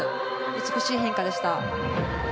美しい変化でした。